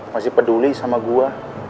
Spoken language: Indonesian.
masih peduli sama gue